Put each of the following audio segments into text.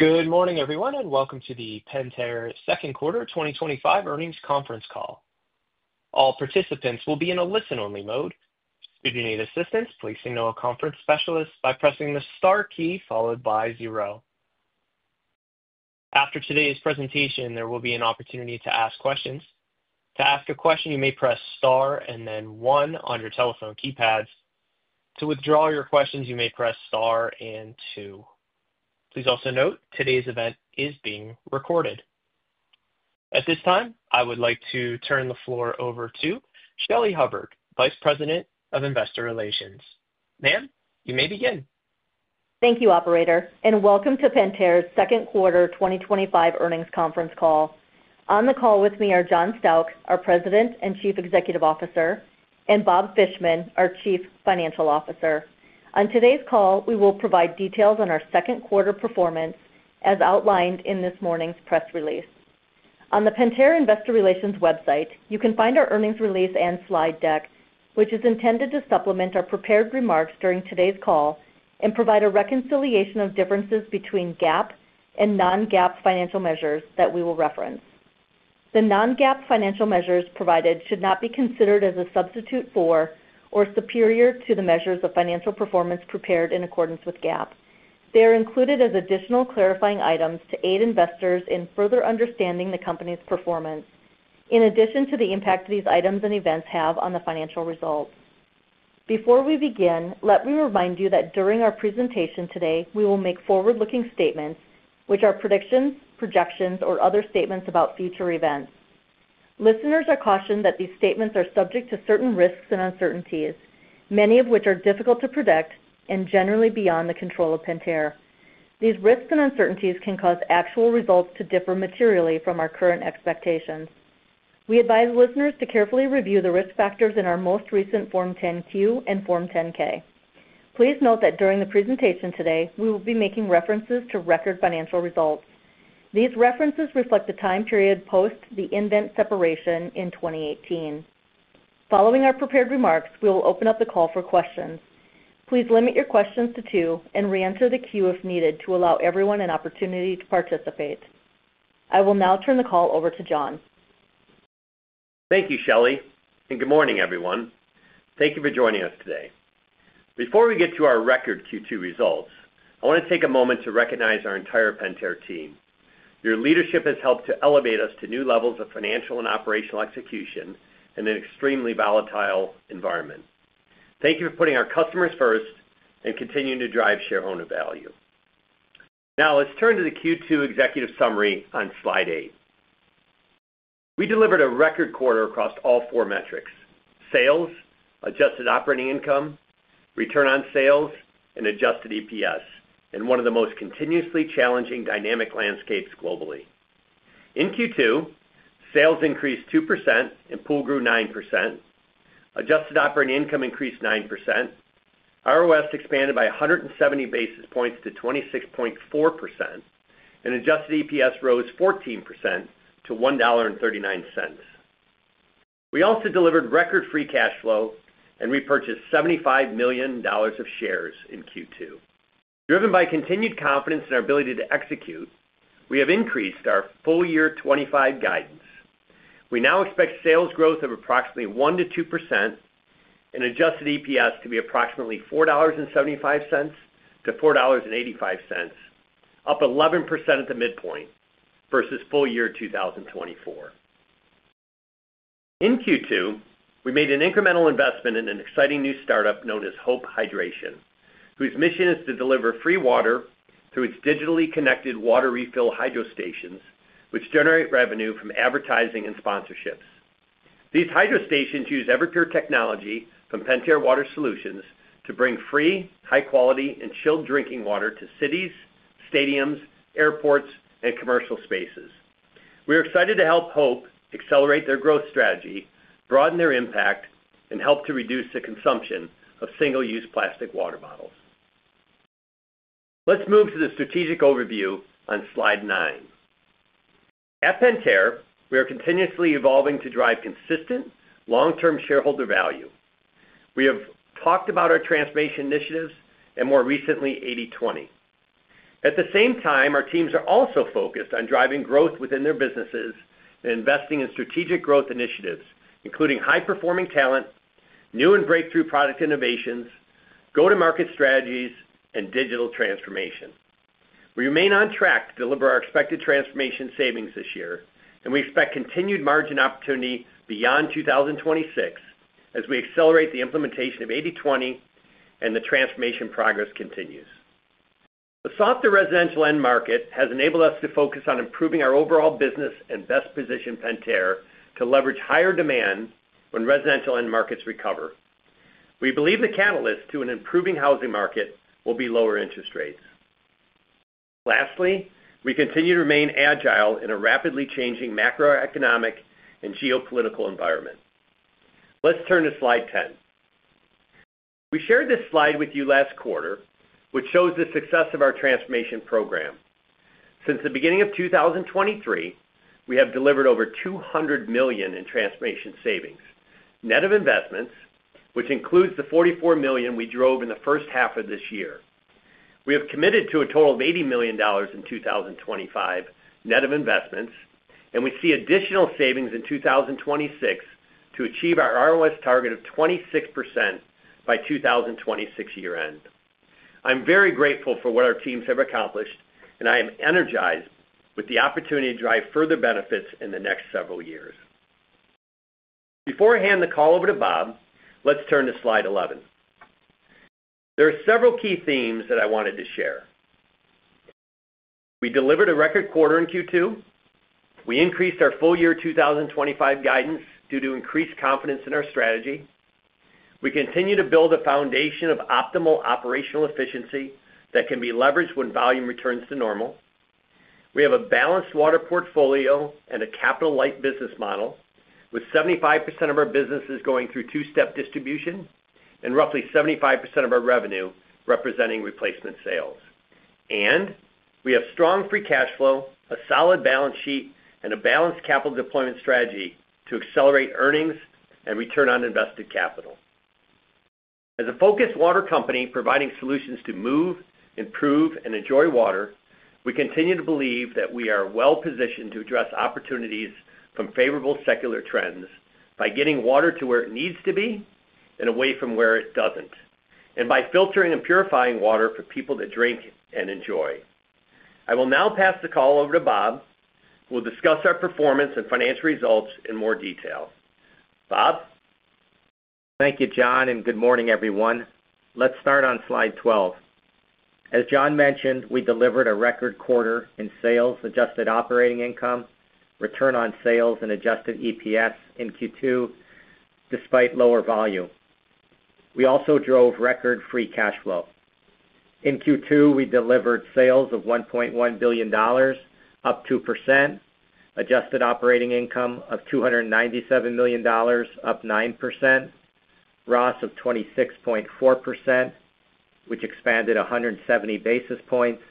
Good morning, everyone, and welcome to the Pentair Second Quarter 2025 earnings conference call. All participants will be in a listen-only mode. If you need assistance, please signal a conference specialist by pressing the star key followed by zero. After today's presentation, there will be an opportunity to ask questions. To ask a question, you may press star and then one on your telephone keypads. To withdraw your questions, you may press star and two. Please also note today's event is being recorded. At this time, I would like to turn the floor over to Shelly Hubbard, Vice President of Investor Relations. Ma'am, you may begin. Thank you, Operator, and welcome to Pentair's Second Quarter 2025 earnings conference call. On the call with me are John Stauch, our President and Chief Executive Officer, and Bob Fishman, our Chief Financial Officer. On today's call, we will provide details on our second quarter performance as outlined in this morning's press release. On the Pentair Investor Relations website, you can find our earnings release and slide deck, which is intended to supplement our prepared remarks during today's call and provide a reconciliation of differences between GAAP and non-GAAP financial measures that we will reference. The non-GAAP financial measures provided should not be considered as a substitute for or superior to the measures of financial performance prepared in accordance with GAAP. They are included as additional clarifying items to aid investors in further understanding the company's performance, in addition to the impact these items and events have on the financial results. Before we begin, let me remind you that during our presentation today, we will make forward-looking statements, which are predictions, projections, or other statements about future events. Listeners are cautioned that these statements are subject to certain risks and uncertainties, many of which are difficult to predict and generally beyond the control of Pentair. These risks and uncertainties can cause actual results to differ materially from our current expectations. We advise listeners to carefully review the risk factors in our most recent Form 10Q and Form 10K. Please note that during the presentation today, we will be making references to record financial results. These references reflect the time period post the event separation in 2018. Following our prepared remarks, we will open up the call for questions. Please limit your questions to two and re-enter the queue if needed to allow everyone an opportunity to participate. I will now turn the call over to John. Thank you, Shelly, and good morning, everyone. Thank you for joining us today. Before we get to our record Q2 results, I want to take a moment to recognize our entire Pentair team. Your leadership has helped to elevate us to new levels of financial and operational execution in an extremely volatile environment. Thank you for putting our customers first and continuing to drive shareholder value. Now, let's turn to the Q2 executive summary on slide eight. We delivered a record quarter across all four metrics: sales, adjusted operating income, return on sales, and adjusted EPS in one of the most continuously challenging dynamic landscapes globally. In Q2, sales increased 2% and pool grew 9%. Adjusted operating income increased 9%. ROS expanded by 170 basis points to 26.4%, and adjusted EPS rose 14% to $1.39. We also delivered record free cash flow and repurchased $75 million of shares in Q2. Driven by continued confidence in our ability to execute, we have increased our full-year 2025 guidance. We now expect sales growth of approximately 1%-2%. And adjusted EPS to be approximately $4.75-$4.85. Up 11% at the midpoint versus full year 2024. In Q2, we made an incremental investment in an exciting new startup known as HOPE Hydration, whose mission is to deliver free water through its digitally connected water refill HydroStations, which generate revenue from advertising and sponsorships. These HydroStations use Everpure technology from Pentair Water Solutions to bring free, high-quality, and chilled drinking water to cities, stadiums, airports, and commercial spaces. We are excited to help HOPE accelerate their growth strategy, broaden their impact, and help to reduce the consumption of single-use plastic water bottles. Let's move to the strategic overview on slide nine. At Pentair, we are continuously evolving to drive consistent, long-term shareholder value. We have talked about our transformation initiatives and more recently 80/20. At the same time, our teams are also focused on driving growth within their businesses and investing in strategic growth initiatives, including high-performing talent, new and breakthrough product innovations, go-to-market strategies, and digital transformation. We remain on track to deliver our expected transformation savings this year, and we expect continued margin opportunity beyond 2026 as we accelerate the implementation of 80/20 and the transformation progress continues. The softer residential end market has enabled us to focus on improving our overall business and best position Pentair to leverage higher demand when residential end markets recover. We believe the catalyst to an improving housing market will be lower interest rates. Lastly, we continue to remain agile in a rapidly changing macroeconomic and geopolitical environment. Let's turn to slide 10. We shared this slide with you last quarter, which shows the success of our transformation program. Since the beginning of 2023, we have delivered over $200 million in transformation savings, net of investments, which includes the $44 million we drove in the first half of this year. We have committed to a total of $80 million in 2025, net of investments, and we see additional savings in 2026 to achieve our ROS target of 26% by 2026 year-end. I'm very grateful for what our teams have accomplished, and I am energized with the opportunity to drive further benefits in the next several years. Before I hand the call over to Bob, let's turn to slide 11. There are several key themes that I wanted to share. We delivered a record quarter in Q2. We increased our full-year 2025 guidance due to increased confidence in our strategy. We continue to build a foundation of optimal operational efficiency that can be leveraged when volume returns to normal. We have a balanced water portfolio and a capital-light business model, with 75% of our businesses going through two-step distribution and roughly 75% of our revenue representing replacement sales. We have strong free cash flow, a solid balance sheet, and a balanced capital deployment strategy to accelerate earnings and return on invested capital. As a focused water company providing solutions to move, improve, and enjoy water, we continue to believe that we are well-positioned to address opportunities from favorable secular trends by getting water to where it needs to be and away from where it doesn't, and by filtering and purifying water for people that drink and enjoy. I will now pass the call over to Bob, who will discuss our performance and financial results in more detail. Bob. Thank you, John, and good morning, everyone. Let's start on slide 12. As John mentioned, we delivered a record quarter in sales, adjusted operating income, return on sales, and adjusted EPS in Q2. Despite lower volume, we also drove record free cash flow. In Q2, we delivered sales of $1.1 billion, up 2%, adjusted operating income of $297 million, up 9%, ROS of 26.4%, which expanded 170 basis points,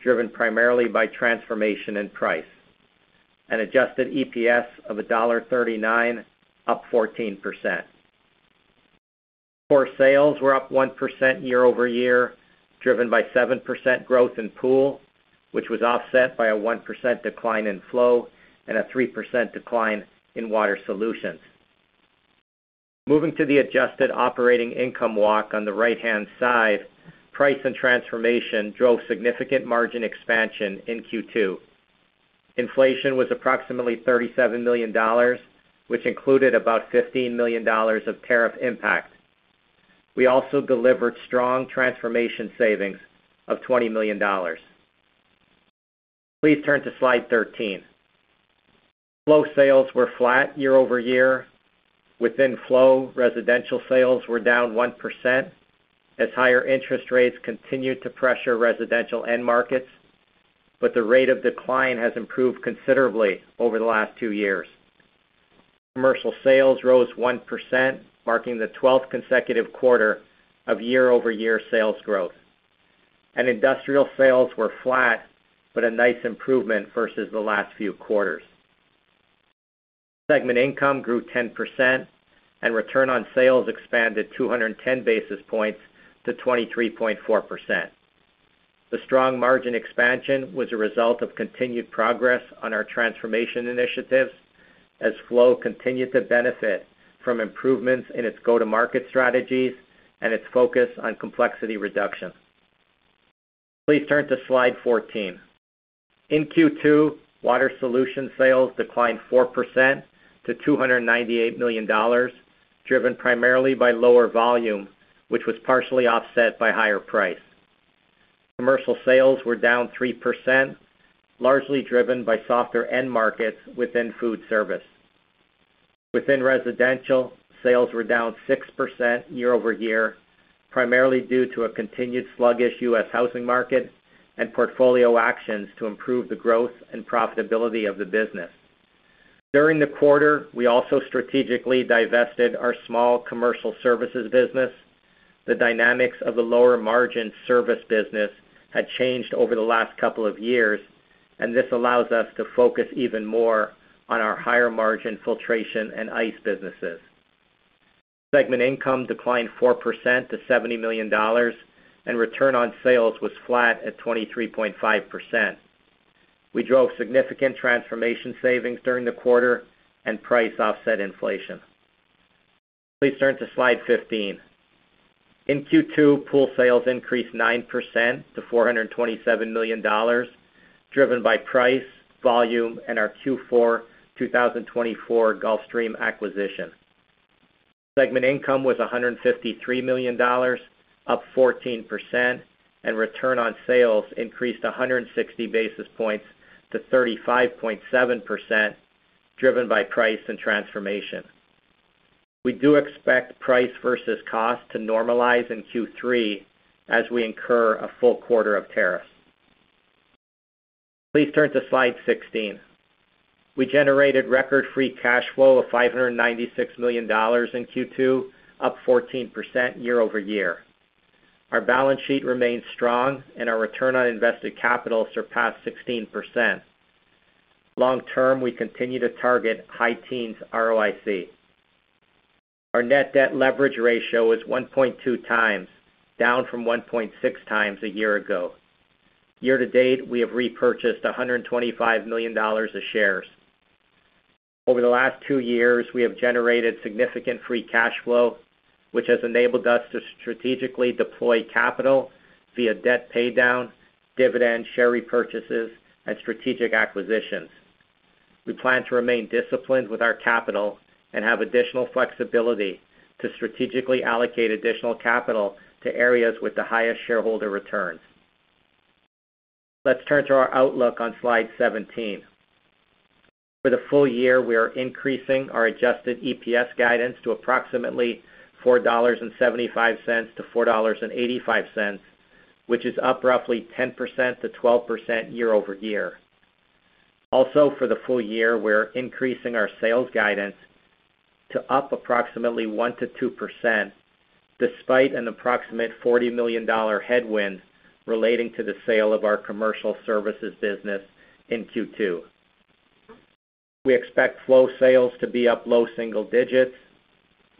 driven primarily by transformation and price, and adjusted EPS of $1.39, up 14%. Core sales were up 1% year-over-year, driven by 7% growth in pool, which was offset by a 1% decline in flow and a 3% decline in water solutions. Moving to the adjusted operating income walk on the right-hand side, price and transformation drove significant margin expansion in Q2. Inflation was approximately $37 million, which included about $15 million of tariff impact. We also delivered strong transformation savings of $20 million. Please turn to slide 13. Flow sales were flat year-over-year. Within flow, residential sales were down 1%, as higher interest rates continued to pressure residential end markets, but the rate of decline has improved considerably over the last two years. Commercial sales rose 1%, marking the 12th consecutive quarter of year-over-year sales growth. Industrial sales were flat, but a nice improvement versus the last few quarters. Segment income grew 10%, and return on sales expanded 210 basis points to 23.4%. The strong margin expansion was a result of continued progress on our transformation initiatives as flow continued to benefit from improvements in its go-to-market strategies and its focus on complexity reduction. Please turn to slide 14. In Q2, water solution sales declined 4% to $298 million, driven primarily by lower volume, which was partially offset by higher price. Commercial sales were down 3%, largely driven by softer end markets within food service. Within residential, sales were down 6% year-over-year, primarily due to a continued sluggish U.S. housing market and portfolio actions to improve the growth and profitability of the business. During the quarter, we also strategically divested our small commercial services business. The dynamics of the lower-margin service business had changed over the last couple of years, and this allows us to focus even more on our higher-margin filtration and ice businesses. Segment income declined 4% to $70 million, and return on sales was flat at 23.5%. We drove significant transformation savings during the quarter and price offset inflation. Please turn to slide 15. In Q2, pool sales increased 9% to $427 million, driven by price, volume, and our Q4 2024 Gulfstream acquisition. Segment income was $153 million, up 14%, and return on sales increased 160 basis points to 35.7%, driven by price and transformation. We do expect price versus cost to normalize in Q3 as we incur a full quarter of tariffs. Please turn to slide 16. We generated record free cash flow of $596 million in Q2, up 14% year-over-year. Our balance sheet remains strong, and our return on invested capital surpassed 16%. Long-term, we continue to target high teens ROIC. Our net debt leverage ratio is 1.2x, down from 1.6x a year ago. Year to date, we have repurchased $125 million of shares. Over the last two years, we have generated significant free cash flow, which has enabled us to strategically deploy capital via debt paydown, dividend, share repurchases, and strategic acquisitions. We plan to remain disciplined with our capital and have additional flexibility to strategically allocate additional capital to areas with the highest shareholder returns. Let's turn to our outlook on slide 17. For the full year, we are increasing our adjusted EPS guidance to approximately $4.75-$4.85, which is up roughly 10%-12% year-over-year. Also, for the full year, we're increasing our sales guidance to up approximately 1%-2%, despite an approximate $40 million headwind relating to the sale of our commercial services business in Q2. We expect flow sales to be up low single digits,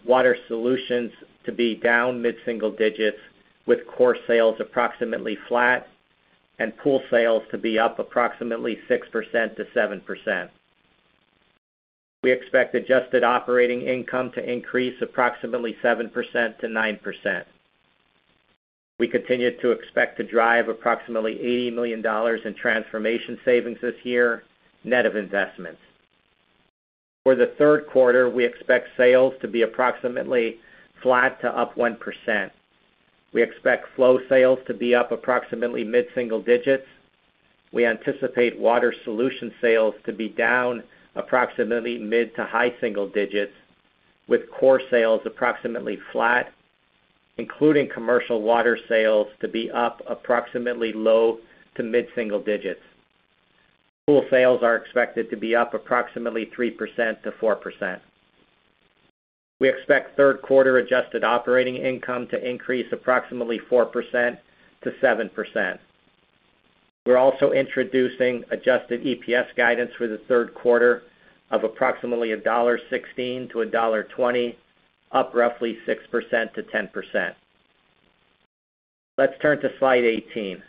water solutions to be down mid-single digits, with core sales approximately flat, and pool sales to be up approximately 6%-7%. We expect adjusted operating income to increase approximately 7%-9%. We continue to expect to drive approximately $80 million in transformation savings this year, net of investments. For the third quarter, we expect sales to be approximately flat to up 1%. We expect flow sales to be up approximately mid-single digits. We anticipate water solution sales to be down approximately mid to high single digits, with core sales approximately flat, including commercial water sales to be up approximately low to mid-single digits. Pool sales are expected to be up approximately 3%-4%. We expect third quarter adjusted operating income to increase approximately 4%-7%. We're also introducing adjusted EPS guidance for the third quarter of approximately $1.16-$1.20, up roughly 6%-10%. Let's turn to slide 18.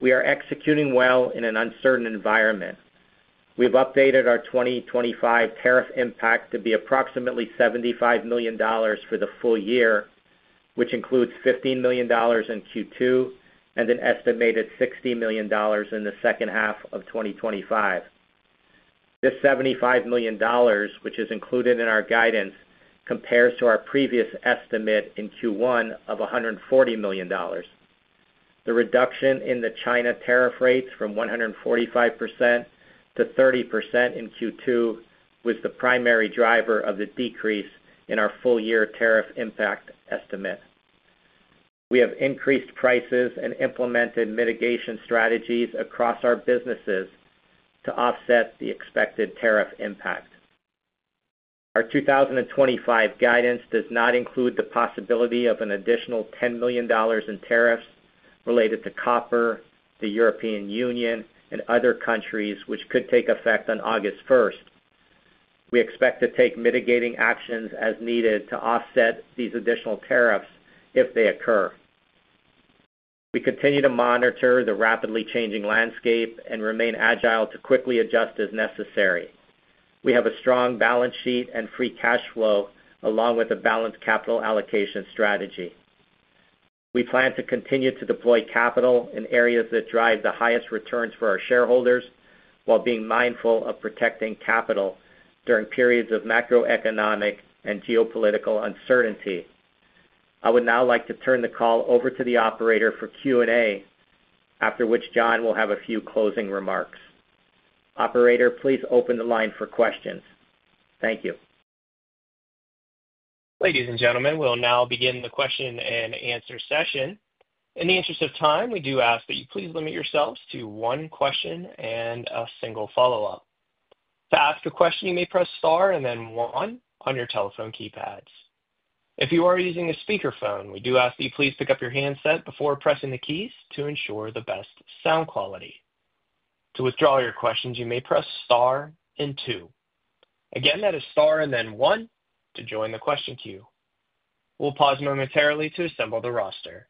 We are executing well in an uncertain environment. We've updated our 2025 tariff impact to be approximately $75 million for the full year, which includes $15 million in Q2 and an estimated $60 million in the second half of 2025. This $75 million, which is included in our guidance, compares to our previous estimate in Q1 of $140 million. The reduction in the China tariff rates from 145% to 30% in Q2 was the primary driver of the decrease in our full-year tariff impact estimate. We have increased prices and implemented mitigation strategies across our businesses to offset the expected tariff impact. Our 2025 guidance does not include the possibility of an additional $10 million in tariffs related to copper, the European Union, and other countries, which could take effect on August 1st. We expect to take mitigating actions as needed to offset these additional tariffs if they occur. We continue to monitor the rapidly changing landscape and remain agile to quickly adjust as necessary. We have a strong balance sheet and free cash flow, along with a balanced capital allocation strategy. We plan to continue to deploy capital in areas that drive the highest returns for our shareholders while being mindful of protecting capital during periods of macroeconomic and geopolitical uncertainty. I would now like to turn the call over to the operator for Q&A, after which John will have a few closing remarks. Operator, please open the line for questions. Thank you. Ladies and gentlemen, we'll now begin the question and answer session. In the interest of time, we do ask that you please limit yourselves to one question and a single follow-up. To ask a question, you may press star and then one on your telephone keypads. If you are using a speakerphone, we do ask that you please pick up your handset before pressing the keys to ensure the best sound quality. To withdraw your questions, you may press star and two. Again, that is star and then one to join the question queue. We'll pause momentarily to assemble the roster.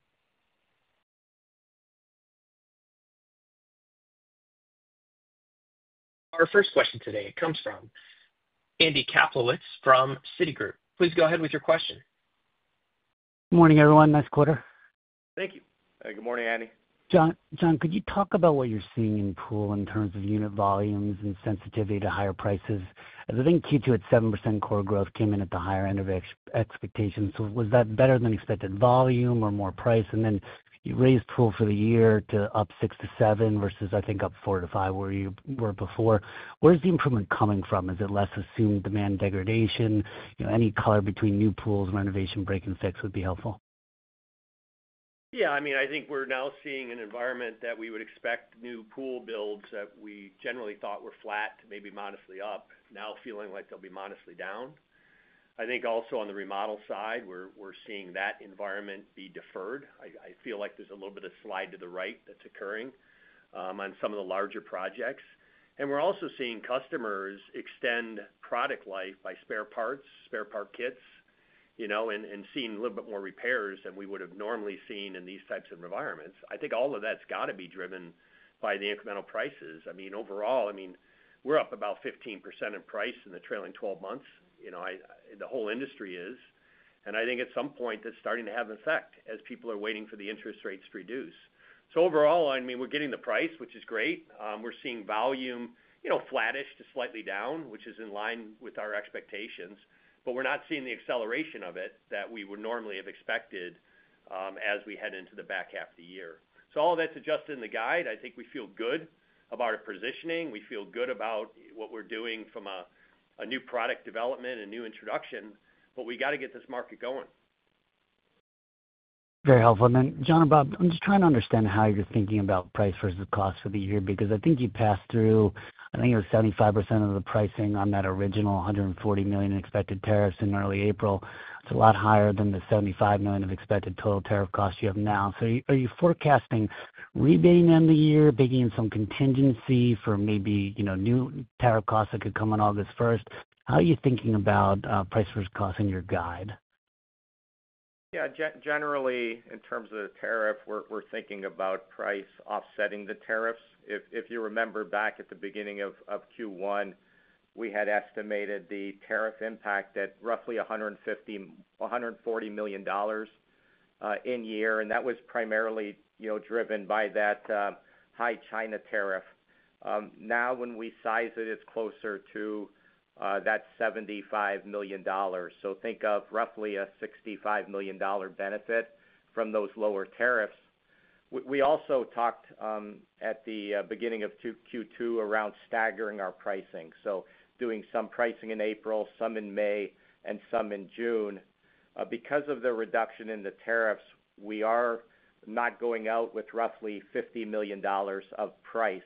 Our first question today comes from Andy Kaplowitz from Citigroup. Please go ahead with your question. Good morning, everyone. Nice quarter. Thank you. Good morning, Andy. John, could you talk about what you're seeing in pool in terms of unit volumes and sensitivity to higher prices? I think Q2 at 7% core growth came in at the higher end of expectations. Was that better than expected volume or more price? You raised pool for the year to up 6%-7% versus, I think, up 4%-5% where you were before. Where's the improvement coming from? Is it less assumed demand degradation? Any color between new pools and renovation break and fix would be helpful. Yeah, I mean, I think we're now seeing an environment that we would expect new pool builds that we generally thought were flat to maybe modestly up, now feeling like they'll be modestly down. I think also on the remodel side, we're seeing that environment be deferred. I feel like there's a little bit of slide to the right that's occurring on some of the larger projects. We're also seeing customers extend product life by spare parts, spare part kits. And seeing a little bit more repairs than we would have normally seen in these types of environments. I think all of that's got to be driven by the incremental prices. I mean, overall, we're up about 15% in price in the trailing 12 months. The whole industry is. I think at some point, that's starting to have an effect as people are waiting for the interest rates to reduce. Overall, we're getting the price, which is great. We're seeing volume flattish to slightly down, which is in line with our expectations. We're not seeing the acceleration of it that we would normally have expected as we head into the back half of the year. All of that's adjusted in the guide. I think we feel good about our positioning. We feel good about what we're doing from a new product development and new introduction. We got to get this market going. Very helpful. John and Bob, I'm just trying to understand how you're thinking about price versus cost for the year because I think you passed through, I think it was 75% of the pricing on that original $140 million expected tariffs in early April. It's a lot higher than the $75 million of expected total tariff cost you have now. Are you forecasting rebate in the year, picking in some contingency for maybe new tariff costs that could come on August 1? How are you thinking about price versus cost in your guide? Yeah, generally, in terms of the tariff, we're thinking about price offsetting the tariffs. If you remember back at the beginning of Q1, we had estimated the tariff impact at roughly $140 million in year, and that was primarily driven by that high China tariff. Now, when we size it, it's closer to that $75 million. Think of roughly a $65 million benefit from those lower tariffs. We also talked at the beginning of Q2 around staggering our pricing, so doing some pricing in April, some in May, and some in June. Because of the reduction in the tariffs, we are not going out with roughly $50 million of price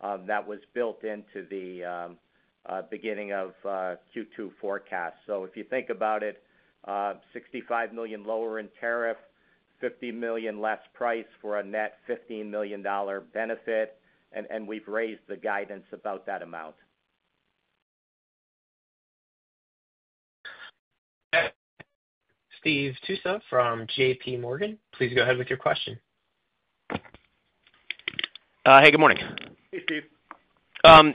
that was built into the beginning of Q2 forecast. If you think about it, $65 million lower in tariff, $50 million less price for a net $15 million benefit. We've raised the guidance about that amount. Steve Toussaint from JPMorgan. Please go ahead with your question. Hey, good morning. Hey, Steve.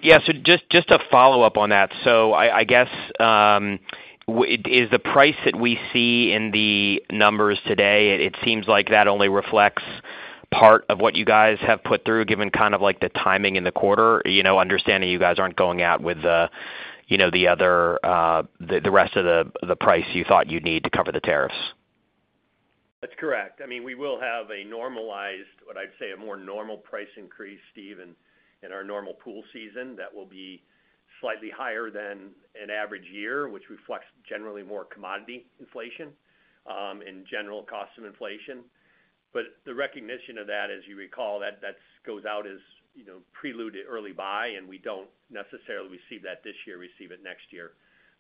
Yeah, just a follow-up on that. I guess, is the price that we see in the numbers today, it seems like that only reflects part of what you guys have put through, given kind of like the timing in the quarter, understanding you guys aren't going out with the other, the rest of the price you thought you'd need to cover the tariffs. That's correct. I mean, we will have a normalized, what I'd say a more normal price increase, Steve, in our normal pool season that will be slightly higher than an average year, which reflects generally more commodity inflation, in general, cost of inflation. The recognition of that, as you recall, that goes out as preluded early buy, and we don't necessarily receive that this year, receive it next year.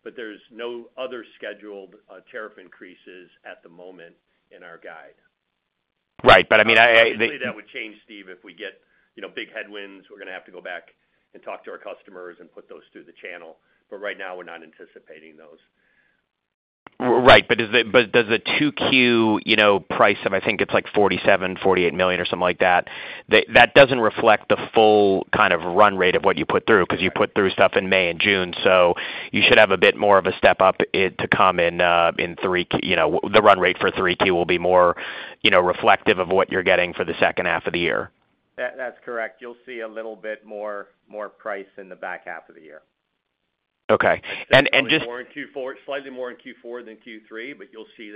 There are no other scheduled tariff increases at the moment in our guide. Right. I mean, I. Hopefully, that would change, Steve, if we get big headwinds, we're going to have to go back and talk to our customers and put those through the channel. Right now, we're not anticipating those. Right. But does the 2Q price of, I think it's like $47 million, $48 million or something like that, that doesn't reflect the full kind of run rate of what you put through because you put through stuff in May and June. You should have a bit more of a step up to come in 3Q. The run rate for 3Q will be more reflective of what you're getting for the second half of the year. That's correct. You'll see a little bit more price in the back half of the year. Okay. And just. Slightly more in Q4 than Q3, but you'll see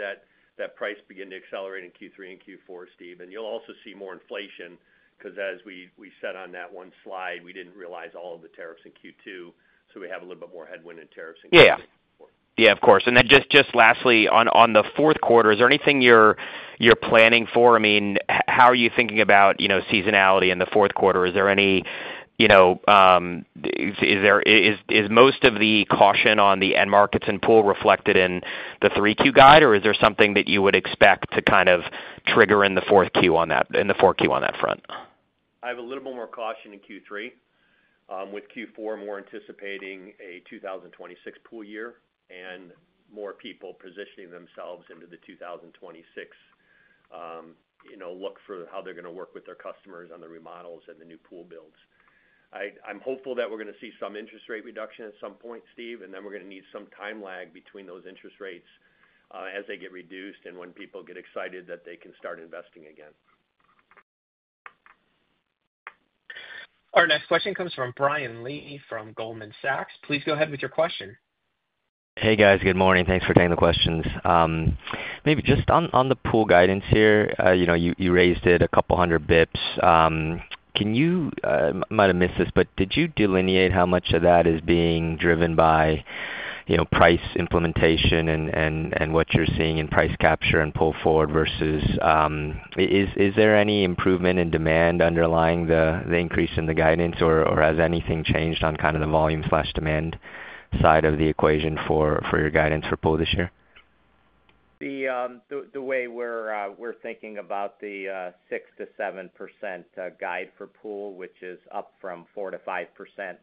that price begin to accelerate in Q3 and Q4, Steve. You will also see more inflation because, as we said on that one slide, we did not realize all of the tariffs in Q2. We have a little bit more headwind in tariffs in Q3. Yeah. Yeah, of course. And then just lastly, on the fourth quarter, is there anything you're planning for? I mean, how are you thinking about seasonality in the fourth quarter? Is most of the caution on the end markets and pool reflected in the 3Q guide, or is there something that you would expect to kind of trigger in the fourth quarter on that, in the fourth quarter on that front? I have a little bit more caution in Q3. With Q4, more anticipating a 2026 pool year and more people positioning themselves into the 2026. Look for how they're going to work with their customers on the remodels and the new pool builds. I'm hopeful that we're going to see some interest rate reduction at some point, Steve, and then we're going to need some time lag between those interest rates as they get reduced and when people get excited that they can start investing again. Our next question comes from Brian Lee from Goldman Sachs. Please go ahead with your question. Hey, guys. Good morning. Thanks for taking the questions. Maybe just on the pool guidance here, you raised it a couple hundred basis points. Can you, I might have missed this, but did you delineate how much of that is being driven by price implementation and what you're seeing in price capture and pull forward versus is there any improvement in demand underlying the increase in the guidance, or has anything changed on kind of the volume/demand side of the equation for your guidance for pool this year? The way we're thinking about the 6%-7% guide for pool, which is up from 4%-5%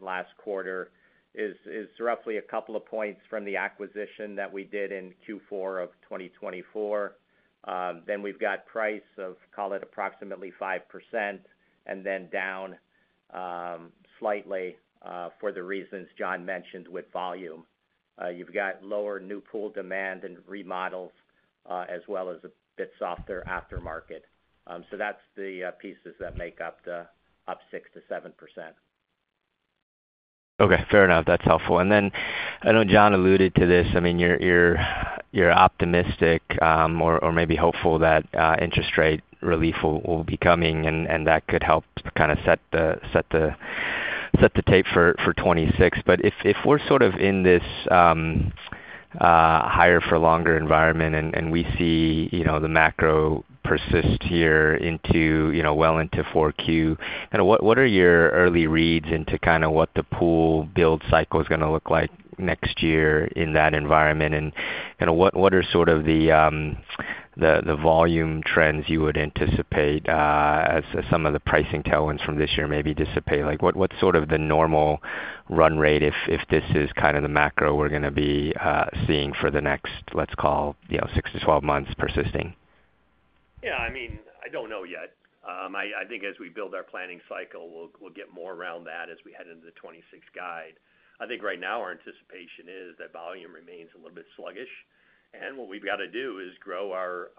last quarter, is roughly a couple of points from the acquisition that we did in Q4 of 2024. Then we've got price of, call it approximately 5%, and then down slightly for the reasons John mentioned with volume. You've got lower new pool demand and remodels as well as a bit softer aftermarket. That's the pieces that make up the up 6%-7%. Okay. Fair enough. That's helpful. I know John alluded to this. I mean, you're optimistic or maybe hopeful that interest rate relief will be coming, and that could help kind of set the tape for 2026. If we're sort of in this higher for longer environment and we see the macro persist here well into Q4, kind of what are your early reads into kind of what the pool build cycle is going to look like next year in that environment? What are sort of the volume trends you would anticipate as some of the pricing tailwinds from this year maybe dissipate? What's sort of the normal run rate if this is kind of the macro we're going to be seeing for the next, let's call, 6 months-12 months persisting? Yeah. I mean, I do not know yet. I think as we build our planning cycle, we will get more around that as we head into the 2026 guide. I think right now our anticipation is that volume remains a little bit sluggish. And what we have got to do is grow our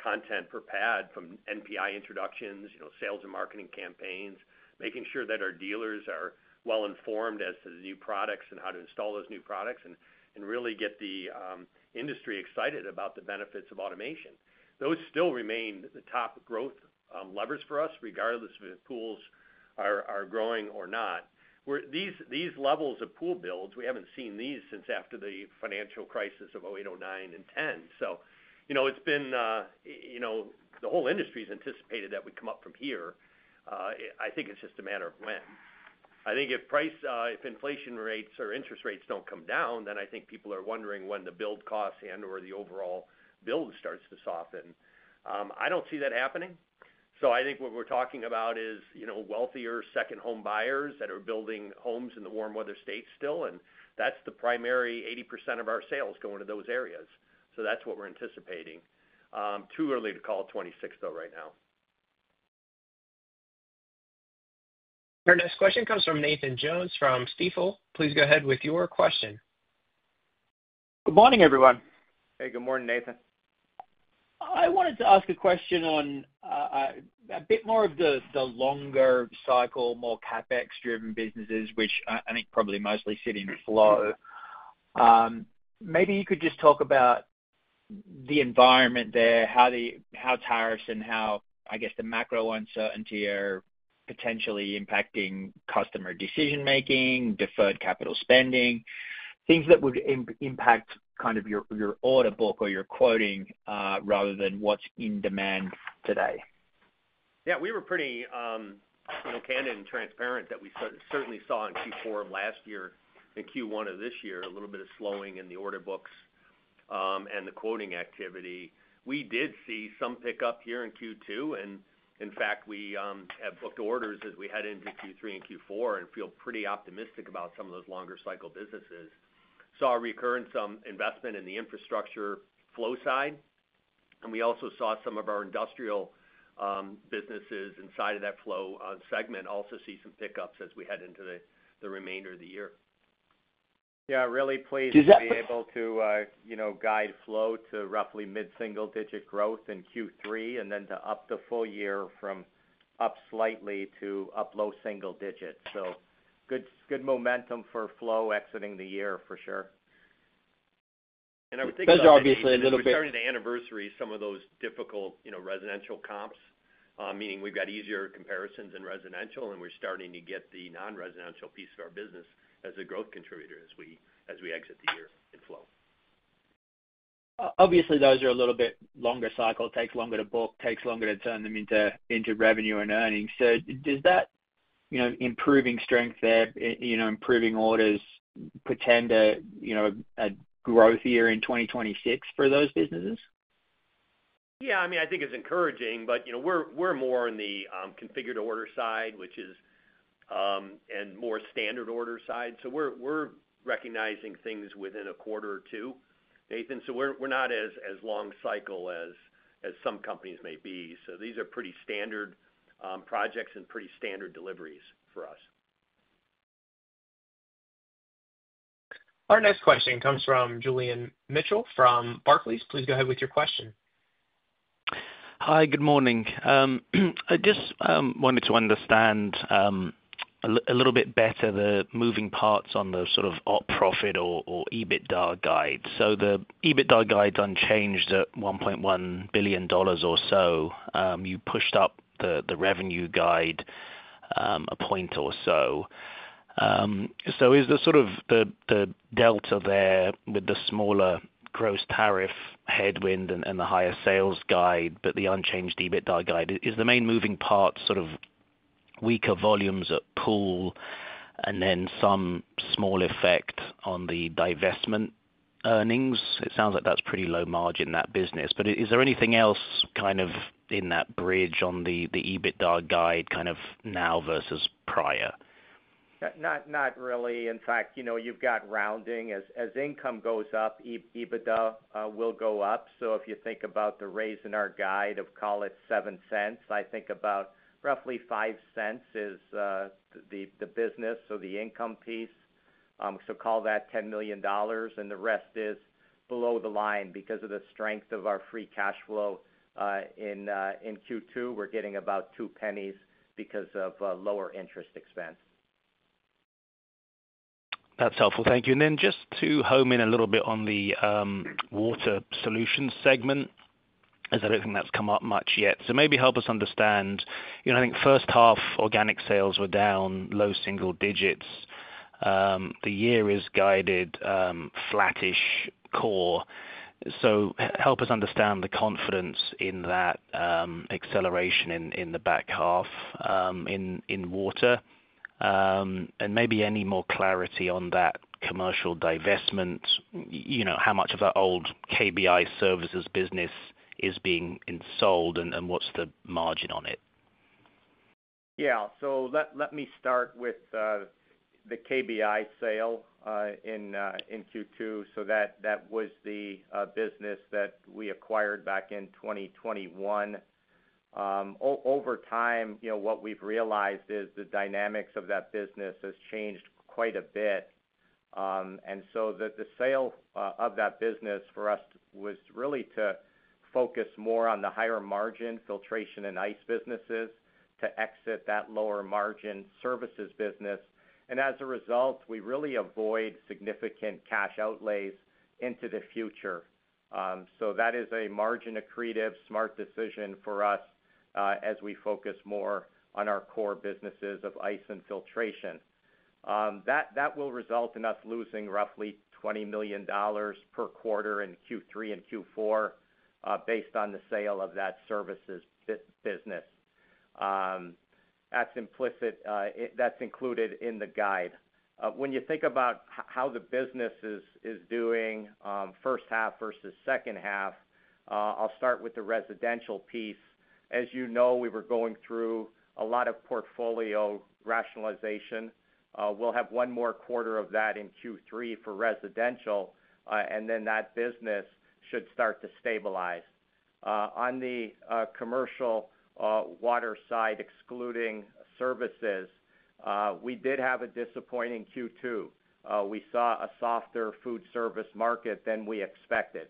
content per pad from NPI introductions, sales and marketing campaigns, making sure that our dealers are well informed as to the new products and how to install those new products and really get the industry excited about the benefits of automation. Those still remain the top growth levers for us, regardless of if pools are growing or not. These levels of pool builds, we have not seen these since after the financial crisis of 2008, 2009, and 2010. It has been, the whole industry has anticipated that we come up from here. I think it is just a matter of when. I think if price, if inflation rates or interest rates do not come down, then I think people are wondering when the build costs and/or the overall build starts to soften. I do not see that happening. I think what we are talking about is wealthier second home buyers that are building homes in the warm weather states still. That is the primary 80% of our sales going to those areas. That is what we are anticipating. Too early to call 2026, though, right now. Our next question comes from Nathan Jones from Stifel. Please go ahead with your question. Good morning, everyone. Hey, good morning, Nathan. I wanted to ask a question on a bit more of the longer cycle, more CapEx-driven businesses, which I think probably mostly sit in Flow. Maybe you could just talk about the environment there, how tariffs and how, I guess, the macro uncertainty are potentially impacting customer decision-making, deferred capital spending, things that would impact kind of your order book or your quoting rather than what's in demand today. Yeah. We were pretty candid and transparent that we certainly saw in Q4 of last year and Q1 of this year, a little bit of slowing in the order books and the quoting activity. We did see some pickup here in Q2. In fact, we have booked orders as we head into Q3 and Q4 and feel pretty optimistic about some of those longer cycle businesses. Saw recurrence of investment in the infrastructure flow side. We also saw some of our industrial businesses inside of that flow segment also see some pickups as we head into the remainder of the year. Yeah, really pleased to be able to guide flow to roughly mid-single digit growth in Q3 and then to up the full year from up slightly to up low single digits. Good momentum for flow exiting the year for sure. I would think. Those are obviously a little bit. We're starting to anniversary some of those difficult residential comps, meaning we've got easier comparisons in residential, and we're starting to get the non-residential piece of our business as a growth contributor as we exit the year in flow. Obviously, those are a little bit longer cycle. Takes longer to book, takes longer to turn them into revenue and earnings. Does that improving strength there, improving orders, pretend a growth year in 2026 for those businesses? Yeah. I mean, I think it's encouraging, but we're more in the configured order side, which is, and more standard order side. So we're recognizing things within a quarter or two, Nathan. We're not as long cycle as some companies may be. These are pretty standard projects and pretty standard deliveries for us. Our next question comes from Julian Mitchell from Barclays. Please go ahead with your question. Hi, good morning. I just wanted to understand a little bit better the moving parts on the sort of op profit or EBITDA guide. So the EBITDA guide's unchanged at $1.1 billion or so. You pushed up the revenue guide a point or so. Is the sort of the delta there with the smaller gross tariff headwind and the higher sales guide, but the unchanged EBITDA guide, is the main moving part sort of weaker volumes at pool and then some small effect on the divestment earnings? It sounds like that's pretty low margin, that business. Is there anything else kind of in that bridge on the EBITDA guide kind of now versus prior? Not really. In fact, you've got rounding. As income goes up, EBITDA will go up. If you think about the raise in our guide of, call it $0.07, I think about roughly $0.05 is the business or the income piece. Call that $10 million. The rest is below the line because of the strength of our free cash flow. In Q2, we're getting about $0.02 because of lower interest expense. That's helpful. Thank you. Just to hone in a little bit on the Water Solutions segment, as I don't think that's come up much yet. Maybe help us understand, I think first half organic sales were down low single digits. The year is guided flattish core. Help us understand the confidence in that acceleration in the back half in Water, and maybe any more clarity on that commercial divestment. How much of that old KBI Services business is being sold and what's the margin on it? Yeah. Let me start with the KBI sale in Q2. That was the business that we acquired back in 2021. Over time, what we've realized is the dynamics of that business have changed quite a bit. The sale of that business for us was really to focus more on the higher margin filtration and ice businesses, to exit that lower margin services business. As a result, we really avoid significant cash outlays into the future. That is a margin accretive smart decision for us as we focus more on our core businesses of ice and filtration. That will result in us losing roughly $20 million per quarter in Q3 and Q4, based on the sale of that services business. That's implicit, that's included in the guide. When you think about how the business is doing first half versus second half, I'll start with the residential piece. As you know, we were going through a lot of portfolio rationalization. We'll have one more quarter of that in Q3 for residential, and then that business should start to stabilize. On the commercial water side, excluding services, we did have a disappointing Q2. We saw a softer food service market than we expected.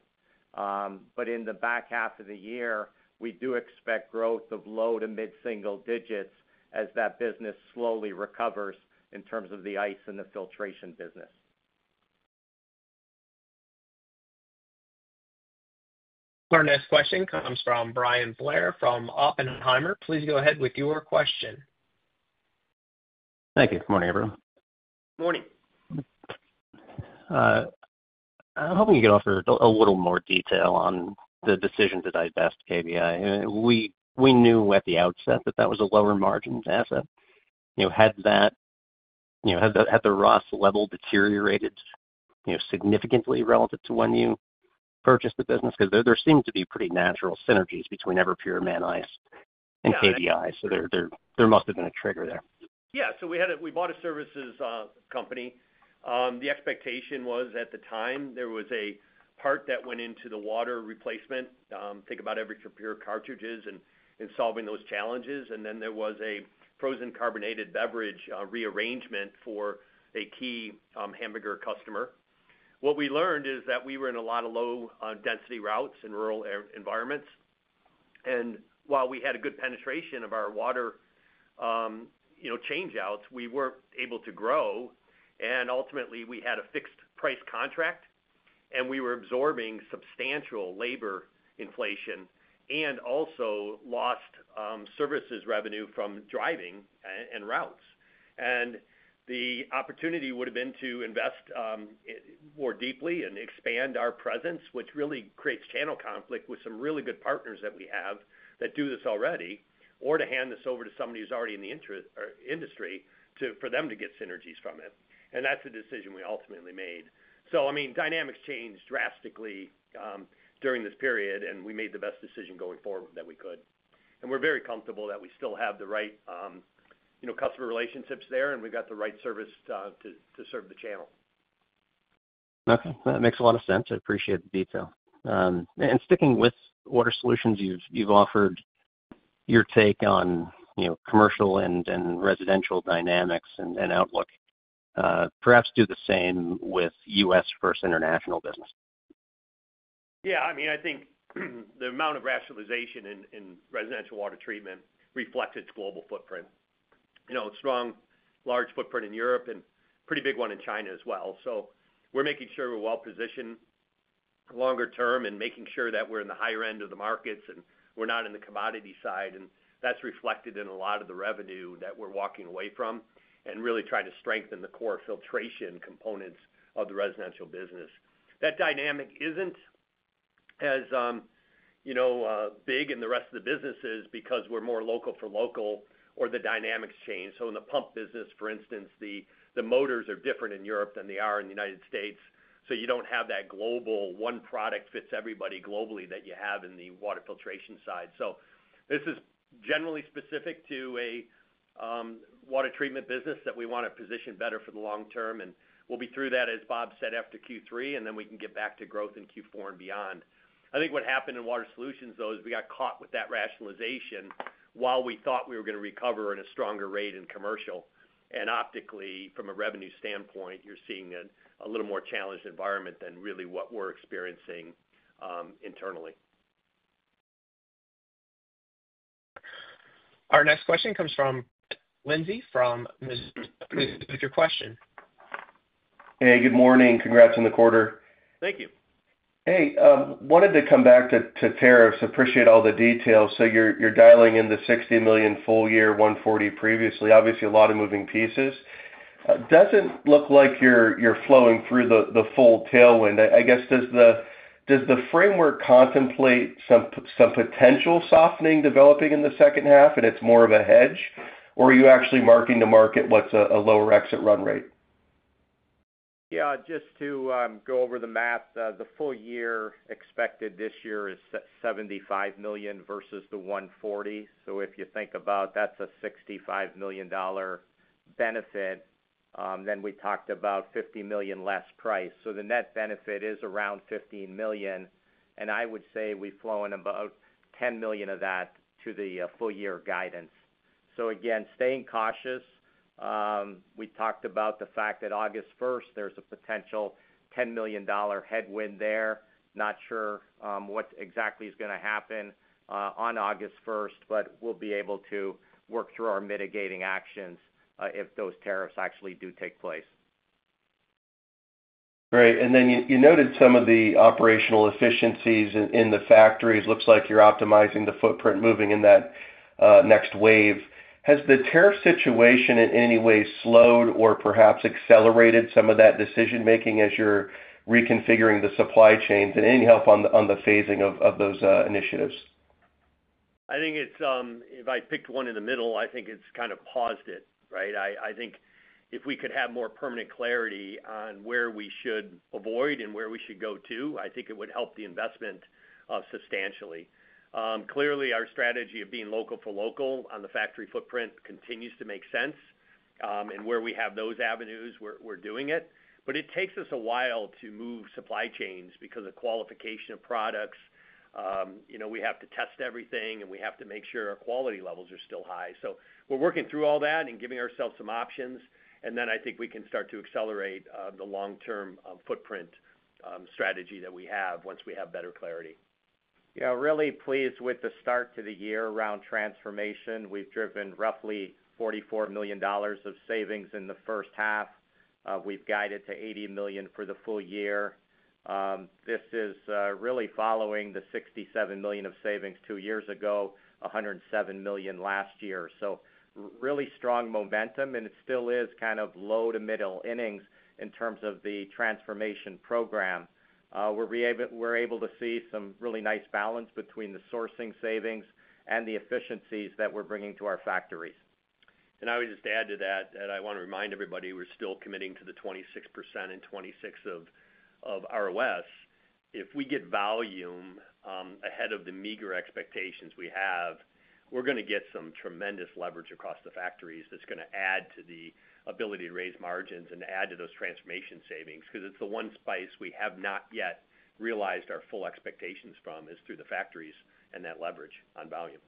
In the back half of the year, we do expect growth of low to mid-single digits as that business slowly recovers in terms of the ice and the filtration business. Our next question comes from Bryan Blair from Oppenheimer. Please go ahead with your question. Thank you. Good morning, everyone. Morning. I'm hoping you can offer a little more detail on the decision to divest KBI. We knew at the outset that that was a lower margin asset. Had that at the ROS level deteriorated significantly relative to when you purchased the business? Because there seemed to be pretty natural synergies between Everpure, Man-Ice, and KBI. There must have been a trigger there. Yeah. We bought a services company. The expectation was at the time there was a part that went into the water replacement. Think about Everpure cartridges and solving those challenges. There was a frozen carbonated beverage rearrangement for a key hamburger customer. What we learned is that we were in a lot of low-density routes in rural environments. While we had a good penetration of our water changeouts, we were not able to grow. Ultimately, we had a fixed price contract, and we were absorbing substantial labor inflation and also lost services revenue from driving and routes. The opportunity would have been to invest more deeply and expand our presence, which really creates channel conflict with some really good partners that we have that do this already, or to hand this over to somebody who is already in the industry for them to get synergies from it. That is the decision we ultimately made. I mean, dynamics changed drastically during this period, and we made the best decision going forward that we could. We are very comfortable that we still have the right customer relationships there, and we have the right service to serve the channel. Okay. That makes a lot of sense. I appreciate the detail. Sticking with water solutions, you've offered your take on commercial and residential dynamics and outlook. Perhaps do the same with U.S. versus international business. Yeah. I mean, I think the amount of rationalization in residential water treatment reflects its global footprint. A strong, large footprint in Europe and a pretty big one in China as well. So we're making sure we're well positioned longer term and making sure that we're in the higher end of the markets and we're not in the commodity side. And that's reflected in a lot of the revenue that we're walking away from and really trying to strengthen the core filtration components of the residential business. That dynamic isn't as big in the rest of the businesses because we're more local for local or the dynamics change. In the pump business, for instance, the motors are different in Europe than they are in the United States. You don't have that global one product fits everybody globally that you have in the water filtration side. This is generally specific to a water treatment business that we want to position better for the long term. We'll be through that, as Bob said, after Q3, and then we can get back to growth in Q4 and beyond. I think what happened in water solutions, though, is we got caught with that rationalization while we thought we were going to recover at a stronger rate in commercial. Optically, from a revenue standpoint, you're seeing a little more challenged environment than really what we're experiencing internally. Our next question comes from Lindsay from Question. Hey, good morning. Congrats on the quarter. Thank you. Hey. Wanted to come back to tariffs. Appreciate all the details. So you're dialing in the $60 million full year, $140 million previously. Obviously, a lot of moving pieces. Doesn't look like you're flowing through the full tailwind. I guess, does the framework contemplate some potential softening developing in the second half, and it's more of a hedge, or are you actually marking to market what's a lower exit run rate? Yeah. Just to go over the math, the full year expected this year is $75 million versus the $140 million. If you think about that, that's a $65 million benefit. Then we talked about $50 million less price. The net benefit is around $15 million. I would say we've flown about $10 million of that to the full year guidance. Again, staying cautious. We talked about the fact that August 1, there's a potential $10 million headwind there. Not sure what exactly is going to happen on August 1, but we'll be able to work through our mitigating actions if those tariffs actually do take place. Great. You noted some of the operational efficiencies in the factories. Looks like you're optimizing the footprint, moving in that next wave. Has the tariff situation in any way slowed or perhaps accelerated some of that decision-making as you're reconfiguring the supply chains? Any help on the phasing of those initiatives? I think if I picked one in the middle, I think it's kind of paused it, right? I think if we could have more permanent clarity on where we should avoid and where we should go to, I think it would help the investment substantially. Clearly, our strategy of being local for local on the factory footprint continues to make sense. Where we have those avenues, we're doing it. It takes us a while to move supply chains because of qualification of products. We have to test everything, and we have to make sure our quality levels are still high. We're working through all that and giving ourselves some options. I think we can start to accelerate the long-term footprint strategy that we have once we have better clarity. Yeah. Really pleased with the start to the year around transformation. We've driven roughly $44 million of savings in the first half. We've guided to $80 million for the full year. This is really following the $67 million of savings two years ago, $107 million last year. Really strong momentum, and it still is kind of low to middle innings in terms of the transformation program. We're able to see some really nice balance between the sourcing savings and the efficiencies that we're bringing to our factories. I would just add to that, and I want to remind everybody we're still committing to the 26% and 26% of ROS. If we get volume ahead of the meager expectations we have, we're going to get some tremendous leverage across the factories that's going to add to the ability to raise margins and add to those transformation savings because it's the one spice we have not yet realized our full expectations from is through the factories and that leverage on volume.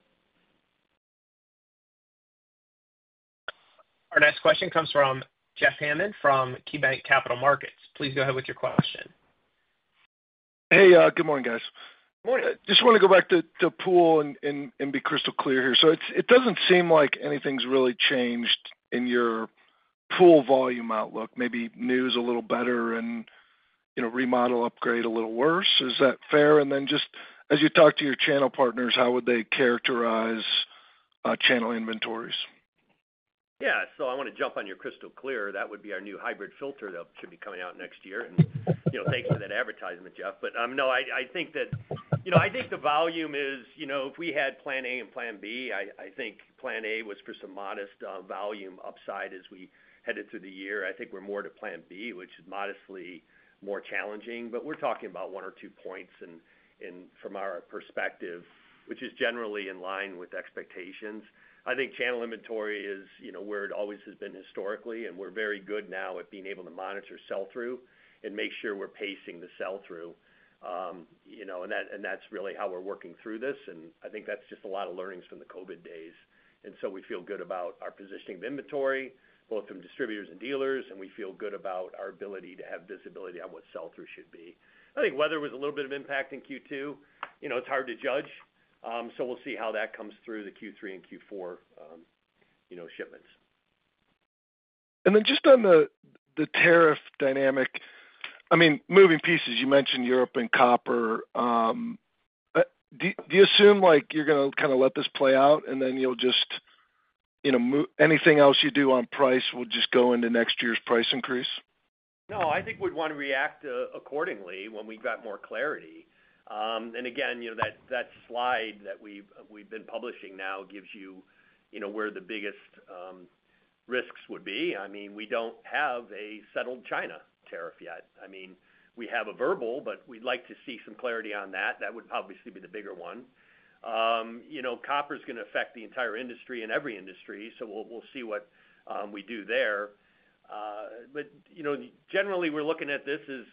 Our next question comes from Jeff Hammond from KeyBanc Capital Markets. Please go ahead with your question. Hey, good morning, guys. Morning. Just want to go back to pool and be crystal clear here. It doesn't seem like anything's really changed in your pool volume outlook. Maybe new is a little better and remodel upgrade a little worse. Is that fair? Just as you talk to your channel partners, how would they characterize channel inventories? Yeah. I want to jump on your crystal clear. That would be our new hybrid filter that should be coming out next year. Thanks for that advertisement, Jeff. I think the volume is if we had plan A and plan B, I think plan A was for some modest volume upside as we headed through the year. I think we're more to plan B, which is modestly more challenging. We're talking about one or two points from our perspective, which is generally in line with expectations. I think channel inventory is where it always has been historically, and we're very good now at being able to monitor sell-through and make sure we're pacing the sell-through. That's really how we're working through this. I think that's just a lot of learnings from the COVID days. We feel good about our positioning of inventory, both from distributors and dealers, and we feel good about our ability to have visibility on what sell-through should be. I think weather was a little bit of impact in Q2. It's hard to judge. We'll see how that comes through the Q3 and Q4. Shipments. Just on the tariff dynamic, I mean, moving pieces, you mentioned Europe and copper. Do you assume you're going to kind of let this play out, and then you'll just—anything else you do on price will just go into next year's price increase? No, I think we'd want to react accordingly when we've got more clarity. Again, that slide that we've been publishing now gives you where the biggest risks would be. I mean, we don't have a settled China tariff yet. I mean, we have a verbal, but we'd like to see some clarity on that. That would obviously be the bigger one. Copper is going to affect the entire industry and every industry, so we'll see what we do there. Generally, we're looking at this as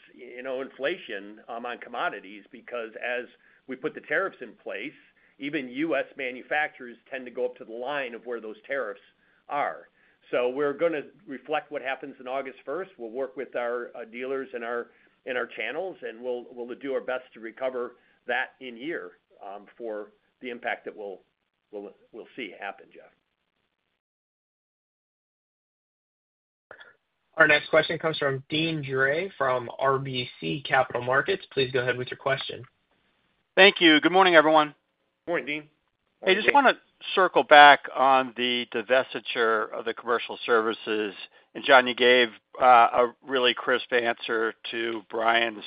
inflation on commodities because as we put the tariffs in place, even U.S. manufacturers tend to go up to the line of where those tariffs are. We're going to reflect what happens in August 1st. We'll work with our dealers and our channels, and we'll do our best to recover that in year for the impact that we'll see happen, Jeff. Our next question comes from Deane Dray from RBC Capital Markets. Please go ahead with your question. Thank you. Good morning, everyone. Good morning, Deane. Hey, just want to circle back on the divestiture of the commercial services. John, you gave a really crisp answer to Brian's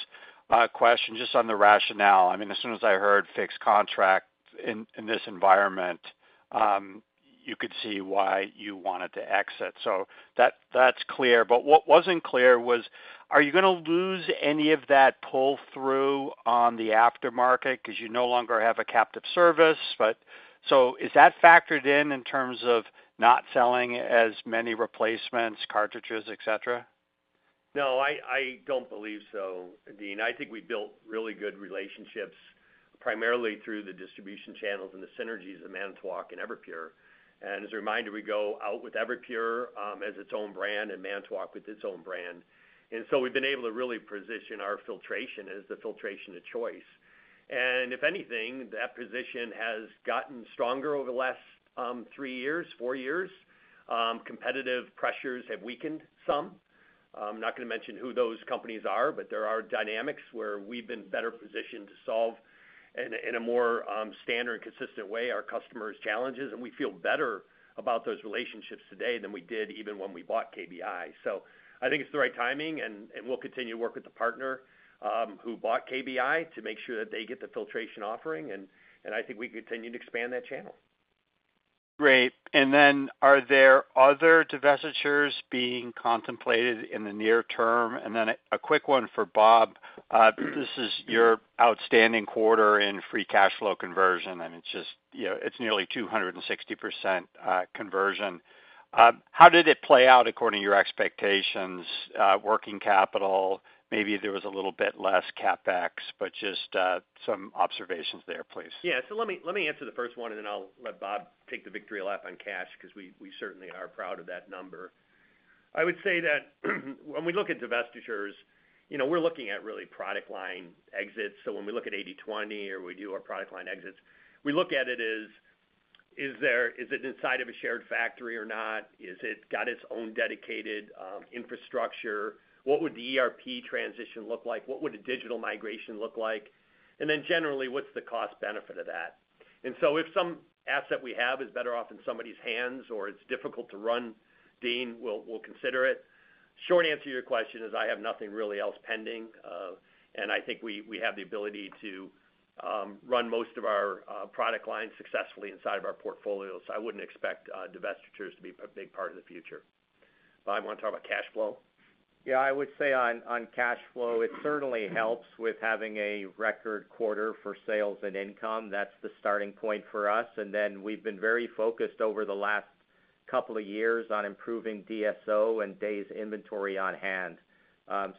question just on the rationale. I mean, as soon as I heard fixed contract in this environment, you could see why you wanted to exit. That's clear. What was not clear was, are you going to lose any of that pull-through on the aftermarket because you no longer have a captive service? Is that factored in in terms of not selling as many replacements, cartridges, etc.? No, I do not believe so, Deane. I think we built really good relationships primarily through the distribution channels and the synergies of Manitowoc and Everpure. As a reminder, we go out with Everpure as its own brand and Manitowoc with its own brand. We have been able to really position our filtration as the filtration of choice. If anything, that position has gotten stronger over the last three years, four years. Competitive pressures have weakened some. I am not going to mention who those companies are, but there are dynamics where we have been better positioned to solve, in a more standard and consistent way, our customers' challenges, and we feel better about those relationships today than we did even when we bought KBI. I think it is the right timing, and we will continue to work with the partner who bought KBI to make sure that they get the filtration offering. I think we continue to expand that channel. Great. Are there other divestitures being contemplated in the near term? A quick one for Bob. This is your outstanding quarter in free cash flow conversion. I mean, it's nearly 260% conversion. How did it play out according to your expectations, working capital? Maybe there was a little bit less CapEx, but just some observations there, please. Yeah. Let me answer the first one, and then I'll let Bob take the victory lap on cash because we certainly are proud of that number. I would say that when we look at divestitures, we're looking at really product line exits. When we look at 80/20 or we do our product line exits, we look at it as, is it inside of a shared factory or not? Has it got its own dedicated infrastructure? What would the ERP transition look like? What would a digital migration look like? And then generally, what's the cost-benefit of that? If some asset we have is better off in somebody's hands or it's difficult to run, Deane, we'll consider it. Short answer to your question is I have nothing really else pending. I think we have the ability to run most of our product lines successfully inside of our portfolio. I wouldn't expect divestitures to be a big part of the future. Bob, you want to talk about cash flow? I would say on cash flow, it certainly helps with having a record quarter for sales and income. That's the starting point for us. We've been very focused over the last couple of years on improving DSO and days inventory on hand.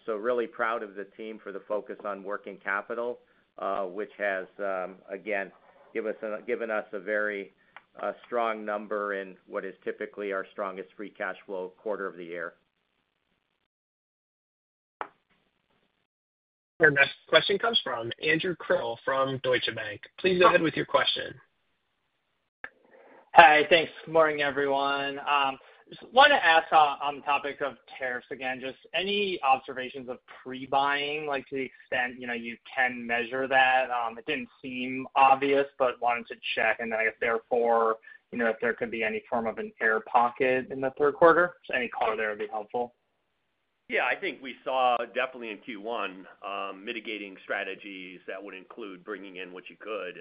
Really proud of the team for the focus on working capital, which has, again, given us a very strong number in what is typically our strongest free cash flow quarter of the year. Our next question comes from Andrew Krill from Deutsche Bank. Please go ahead with your question. Hi, thanks. Good morning, everyone. Just want to ask on the topic of tariffs again, just any observations of pre-buying to the extent you can measure that? It did not seem obvious, but wanted to check and then I guess therefore if there could be any form of an air pocket in the third quarter. Any color there would be helpful. Yeah, I think we saw definitely in Q1 mitigating strategies that would include bringing in what you could.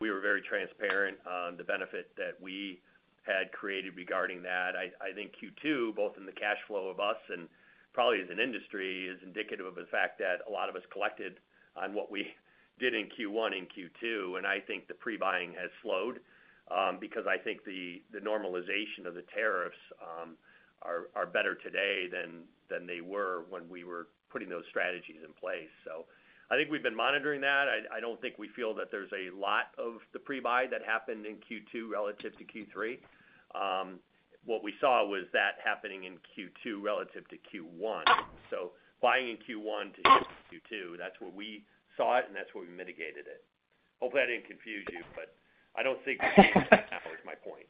We were very transparent on the benefit that we had created regarding that. I think Q2, both in the cash flow of us and probably as an industry, is indicative of the fact that a lot of us collected on what we did in Q1 and Q2. I think the pre-buying has slowed because I think the normalization of the tariffs are better today than they were when we were putting those strategies in place. I think we've been monitoring that. I don't think we feel that there's a lot of the pre-buy that happened in Q2 relative to Q3. What we saw was that happening in Q2 relative to Q1. Buying in Q1 to Q2, that's where we saw it, and that's where we mitigated it. Hopefully, I didn't confuse you, but I don't think that was my point.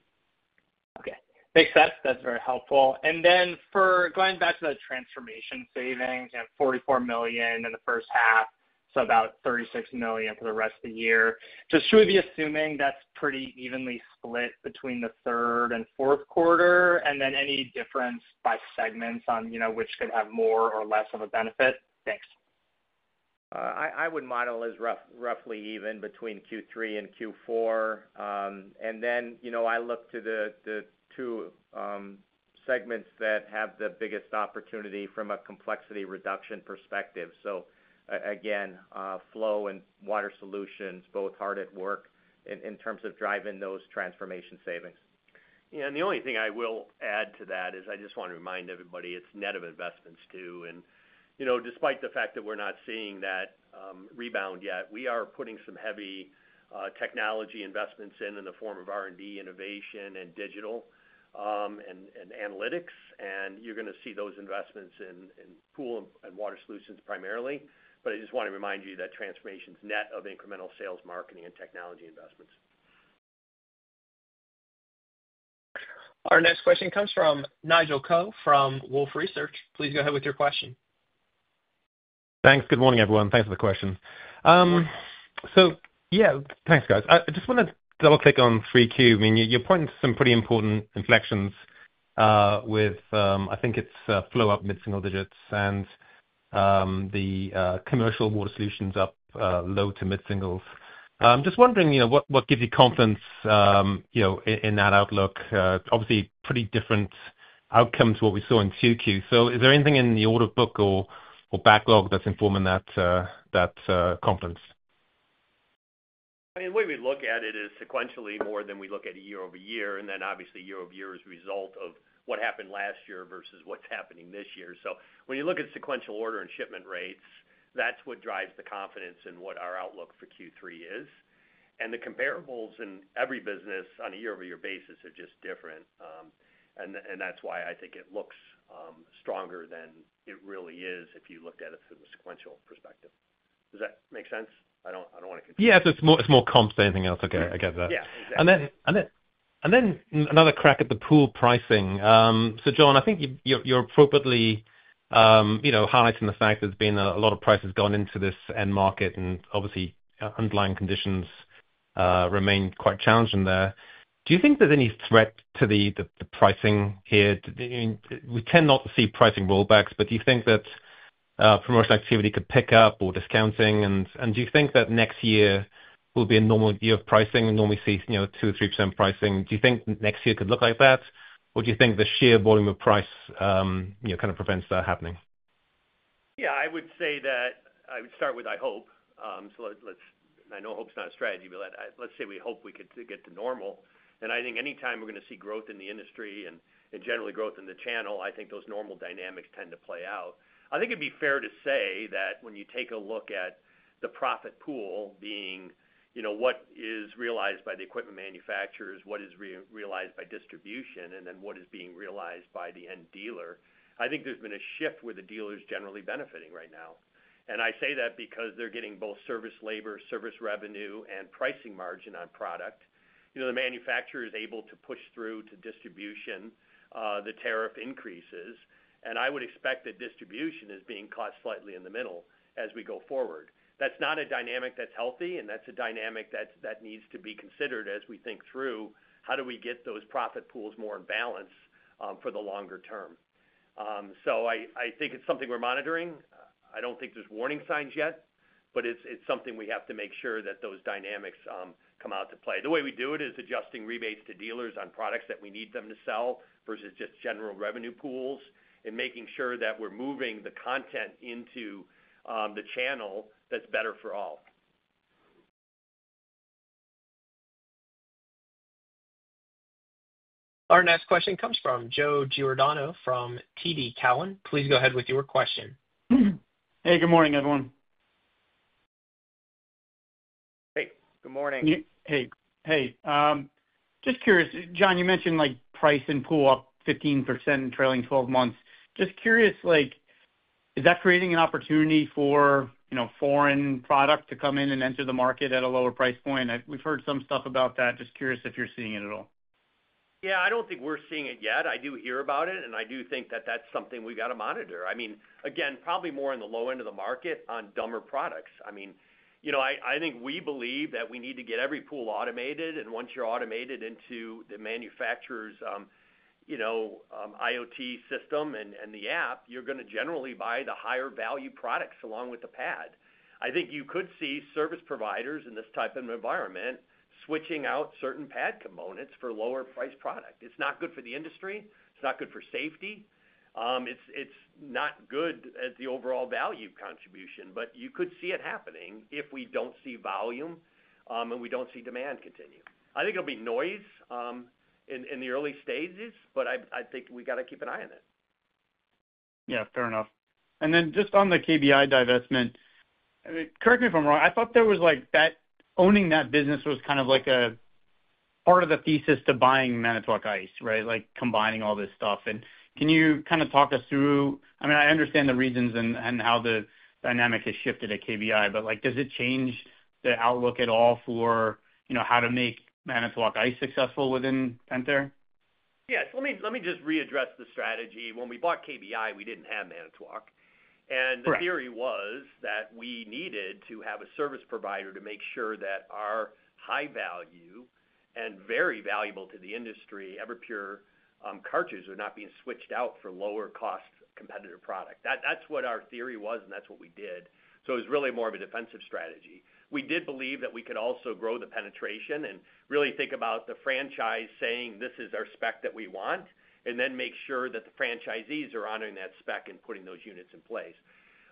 Okay. Makes sense. That's very helpful. For going back to the transformation savings, you have $44 million in the first half, so about $36 million for the rest of the year. Just should we be assuming that's pretty evenly split between the third and fourth quarter? Any difference by segments on which could have more or less of a benefit? Thanks. I would model as roughly even between Q3 and Q4. I look to the two segments that have the biggest opportunity from a complexity reduction perspective. Again, flow and water solutions, both hard at work in terms of driving those transformation savings. Yeah. The only thing I will add to that is I just want to remind everybody it's net of investments too. Despite the fact that we're not seeing that rebound yet, we are putting some heavy technology investments in in the form of R&D, innovation, and digital and analytics. You're going to see those investments in pool and water solutions primarily. I just want to remind you that transformation is net of incremental sales, marketing, and technology investments. Our next question comes from Nigel Coe from Wolfe Research. Please go ahead with your question. Thanks. Good morning, everyone. Thanks for the question. Yeah, thanks, guys. I just want to double-click on 3Q. I mean, you're pointing to some pretty important inflections, with, I think it's flow up mid-single digits and the commercial water solutions up low to mid-singles. Just wondering what gives you confidence in that outlook? Obviously, pretty different outcomes to what we saw in 2Q. Is there anything in the order book or backlog that's informing that confidence? I mean, the way we look at it is sequentially more than we look at year over year. And then obviously, year over year is a result of what happened last year versus what's happening this year. When you look at sequential order and shipment rates, that's what drives the confidence in what our outlook for Q3 is. The comparables in every business on a year-over-year basis are just different. That's why I think it looks stronger than it really is if you looked at it through the sequential perspective. Does that make sense? I don't want to confuse. Yeah, it's more comps than anything else. Okay. I get that. Yeah. Exactly. Another crack at the pool pricing. John, I think you're appropriately highlighting the fact there's been a lot of prices gone into this end market, and obviously, underlying conditions remain quite challenging there. Do you think there's any threat to the pricing here? We tend not to see pricing rollbacks, but do you think that promotional activity could pick up or discounting? Do you think that next year will be a normal year of pricing and normally see 2%-3% pricing? Do you think next year could look like that? Or do you think the sheer volume of price kind of prevents that happening? Yeah, I would say that I would start with, I hope. And I know hope's not a strategy, but let's say we hope we could get to normal. I think anytime we're going to see growth in the industry and generally growth in the channel, I think those normal dynamics tend to play out. I think it'd be fair to say that when you take a look at the profit pool being what is realized by the equipment manufacturers, what is realized by distribution, and then what is being realized by the end dealer, I think there's been a shift where the dealer is generally benefiting right now. I say that because they're getting both service labor, service revenue, and pricing margin on product. The manufacturer is able to push through to distribution the tariff increases. I would expect that distribution is being caught slightly in the middle as we go forward. That's not a dynamic that's healthy, and that's a dynamic that needs to be considered as we think through how do we get those profit pools more in balance for the longer term. I think it's something we're monitoring. I don't think there's warning signs yet, but it's something we have to make sure that those dynamics come out to play. The way we do it is adjusting rebates to dealers on products that we need them to sell versus just general revenue pools and making sure that we're moving the content into the channel that's better for all. Our next question comes from Joe Giordano from TD Cowen. Please go ahead with your question. Hey, good morning, everyone. Hey, good morning. Hey. Hey. Just curious, John, you mentioned price and pool up 15% in trailing 12 months. Just curious, is that creating an opportunity for foreign product to come in and enter the market at a lower price point? We've heard some stuff about that. Just curious if you're seeing it at all. Yeah, I do not think we are seeing it yet. I do hear about it, and I do think that that is something we have got to monitor. I mean, again, probably more in the low end of the market on dumber products. I mean, I think we believe that we need to get every pool automated. And once you are automated into the manufacturer's IoT system and the app, you are going to generally buy the higher value products along with the pad. I think you could see service providers in this type of environment switching out certain pad components for lower priced product. It is not good for the industry. It is not good for safety. It is not good at the overall value contribution, but you could see it happening if we do not see volume and we do not see demand continue. I think it will be noise in the early stages, but I think we have got to keep an eye on it. Yeah, fair enough. Then just on the KBI divestment. Correct me if I'm wrong. I thought that owning that business was kind of like a part of the thesis to buying Manitowoc Ice, right? Like combining all this stuff. Can you kind of talk us through? I mean, I understand the reasons and how the dynamic has shifted at KBI, but does it change the outlook at all for how to make Manitowoc Ice successful within Pentair? Yeah. Let me just readdress the strategy. When we bought KBI, we did not have Manitowoc. The theory was that we needed to have a service provider to make sure that our high value and very valuable to the industry, Everpure cartridges are not being switched out for lower cost competitive product. That is what our theory was, and that is what we did. It was really more of a defensive strategy. We did believe that we could also grow the penetration and really think about the franchise saying, "This is our spec that we want," and then make sure that the franchisees are honoring that spec and putting those units in place.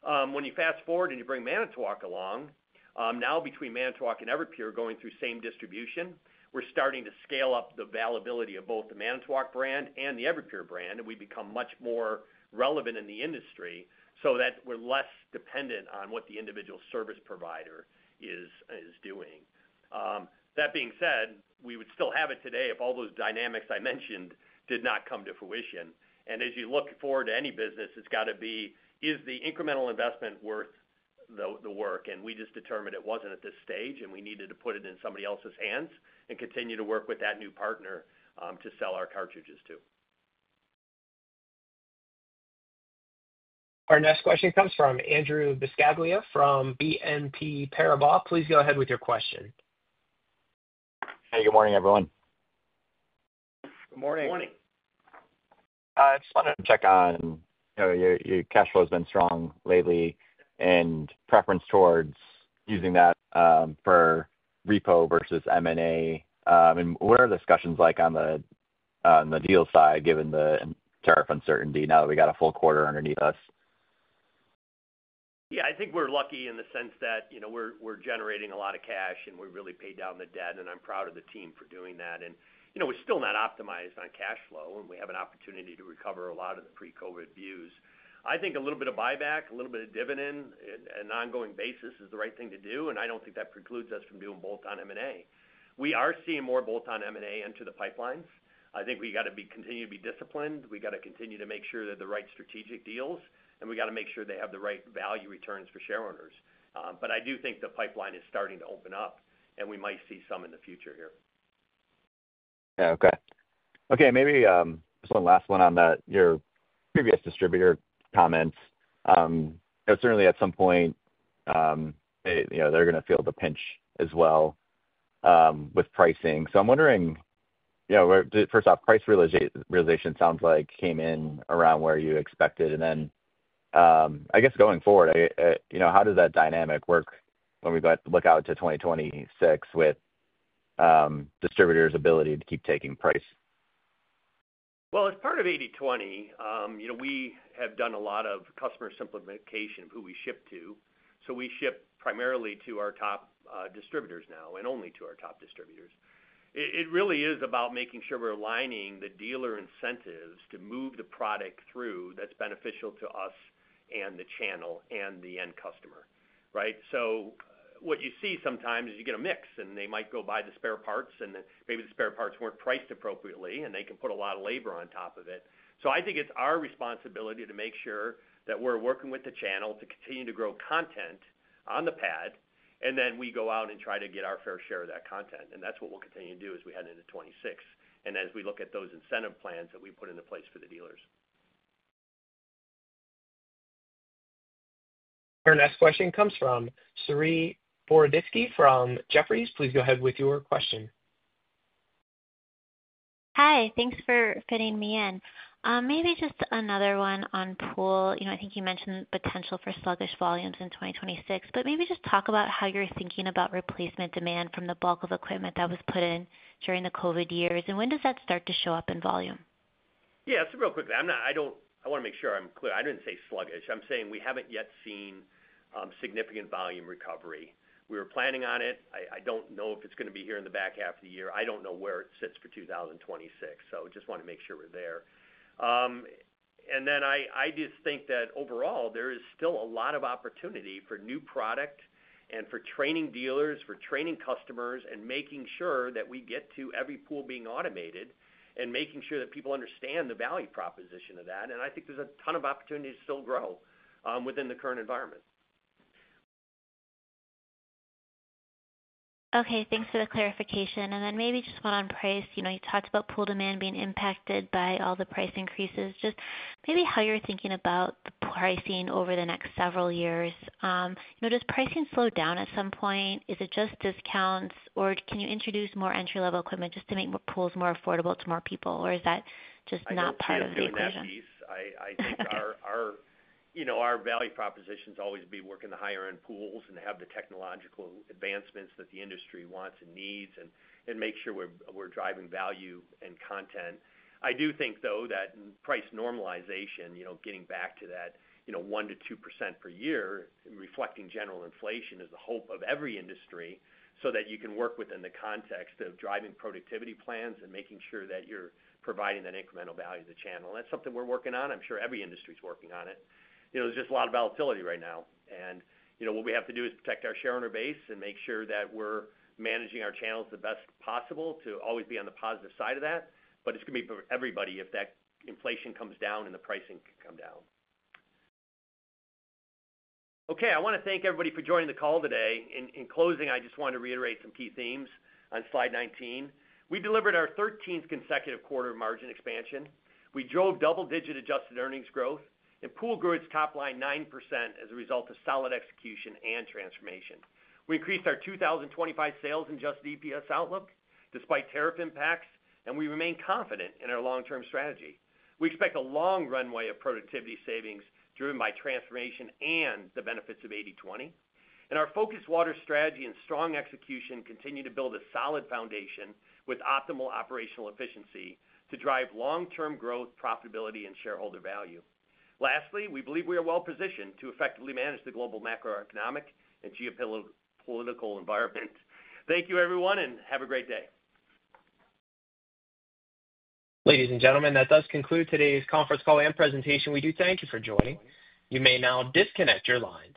When you fast forward and you bring Manitowoc along, now between Manitowoc and Everpure, going through the same distribution, we are starting to scale up the availability of both the Manitowoc brand and the Everpure brand, and we become much more relevant in the industry so that we are less dependent on what the individual service provider is doing. That being said, we would still have it today if all those dynamics I mentioned did not come to fruition. As you look forward to any business, it has got to be, is the incremental investment worth the work? We just determined it was not at this stage, and we needed to put it in somebody else's hands and continue to work with that new partner to sell our cartridges to. Our next question comes from Andrew Buscaglia from BNP Paribas. Please go ahead with your question. Hey, good morning, everyone. Good morning. Good morning. I just wanted to check on your cash flow has been strong lately and preference towards using that for repo versus M&A. What are the discussions like on the deal side given the tariff uncertainty now that we got a full quarter underneath us? Yeah, I think we're lucky in the sense that we're generating a lot of cash, and we really paid down the debt, and I'm proud of the team for doing that. We're still not optimized on cash flow, and we have an opportunity to recover a lot of the pre-COVID views. I think a little bit of buyback, a little bit of dividend on an ongoing basis is the right thing to do. I don't think that precludes us from doing bolt-on M&A. We are seeing more bolt-on M&A enter the pipelines. I think we got to continue to be disciplined. We got to continue to make sure they're the right strategic deals, and we got to make sure they have the right value returns for shareholders. I do think the pipeline is starting to open up, and we might see some in the future here. Yeah, okay. Okay. Maybe just one last one on your previous distributor comments. It was certainly at some point. They're going to feel the pinch as well with pricing. So I'm wondering, first off, price realization sounds like came in around where you expected. And then, I guess going forward, how does that dynamic work when we look out to 2026 with distributors' ability to keep taking price? As part of 80/20, we have done a lot of customer simplification of who we ship to. We ship primarily to our top distributors now and only to our top distributors. It really is about making sure we're aligning the dealer incentives to move the product through that's beneficial to us and the channel and the end customer, right? What you see sometimes is you get a mix, and they might go buy the spare parts, and maybe the spare parts weren't priced appropriately, and they can put a lot of labor on top of it. I think it's our responsibility to make sure that we're working with the channel to continue to grow content on the pad, and then we go out and try to get our fair share of that content. That's what we'll continue to do as we head into 2026 and as we look at those incentive plans that we put into place for the dealers. Our next question comes from Saree Boroditsky from Jefferies. Please go ahead with your question. Hi. Thanks for fitting me in. Maybe just another one on pool. I think you mentioned the potential for sluggish volumes in 2026, but maybe just talk about how you're thinking about replacement demand from the bulk of equipment that was put in during the COVID years. And when does that start to show up in volume? Yeah, so real quickly, I want to make sure I'm clear. I didn't say sluggish. I'm saying we haven't yet seen significant volume recovery. We were planning on it. I don't know if it's going to be here in the back half of the year. I don't know where it sits for 2026. I just want to make sure we're there. I just think that overall, there is still a lot of opportunity for new product and for training dealers, for training customers, and making sure that we get to every pool being automated and making sure that people understand the value proposition of that. I think there's a ton of opportunity to still grow within the current environment. Okay. Thanks for the clarification. Maybe just one on price. You talked about pool demand being impacted by all the price increases. Just maybe how you're thinking about the pricing over the next several years. Does pricing slow down at some point? Is it just discounts, or can you introduce more entry-level equipment just to make pools more affordable to more people, or is that just not part of the equation? I think the question is I think our value proposition is always to be working the higher-end pools and have the technological advancements that the industry wants and needs and make sure we're driving value and content. I do think, though, that price normalization, getting back to that 1%-2% per year, reflecting general inflation is the hope of every industry so that you can work within the context of driving productivity plans and making sure that you're providing that incremental value to the channel. That's something we're working on. I'm sure every industry is working on it. There's just a lot of volatility right now. What we have to do is protect our shareholder base and make sure that we're managing our channels the best possible to always be on the positive side of that. It's going to be for everybody if that inflation comes down and the pricing can come down. Okay. I want to thank everybody for joining the call today. In closing, I just want to reiterate some key themes on slide 19. We delivered our 13th consecutive quarter margin expansion. We drove double-digit adjusted earnings growth, and pool grew its top line 9% as a result of solid execution and transformation. We increased our 2025 sales and adjusted EPS outlook despite tariff impacts, and we remain confident in our long-term strategy. We expect a long runway of productivity savings driven by transformation and the benefits of 80/20. Our focused water strategy and strong execution continue to build a solid foundation with optimal operational efficiency to drive long-term growth, profitability, and shareholder value. Lastly, we believe we are well-positioned to effectively manage the global macroeconomic and geopolitical environment. Thank you, everyone, and have a great day. Ladies and gentlemen, that does conclude today's conference call and presentation. We do thank you for joining. You may now disconnect your lines.